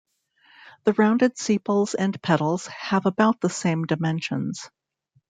The rounded sepals and petals have about the same dimensions.